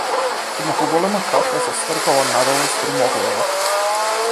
Една поголема капка се стркала надолу струмоглаво.